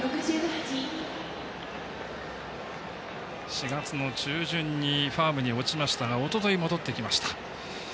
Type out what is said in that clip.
４月中旬にファームに落ちましたがおととい戻ってきました。